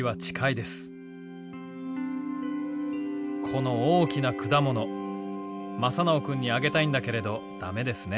「この大きなくだもの正直くんにあげたいんだけれどだめですね。